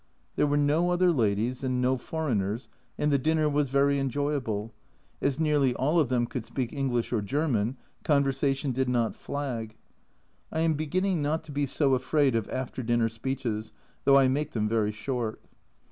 There were no other ladies, and no foreigners, and the dinner was very enjoyable ; as nearly all of them could speak English or German, conversation did not flag. I am beginning not to be so afraid of after dinner speeches, though I make them very short.